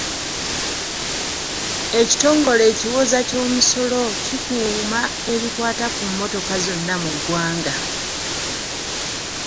Ekitongole ekiwooza ky'omusolo kikuuma ebikwata ku mmotoka zonna mu ggwanga.